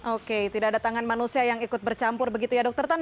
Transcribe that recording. oke tidak ada tangan manusia yang ikut bercampur begitu ya dokter tan